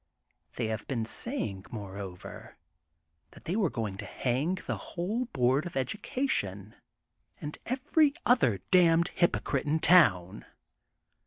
They have been saying, moreover, that they were going to hang the whole Board of Education and ^^ every other damned hypocrite in town.''